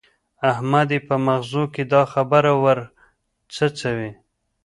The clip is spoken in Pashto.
احمد يې په مغزو کې دا خبره ور څڅوي.